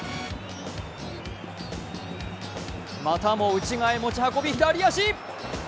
またも内側へ持ち運び、左足！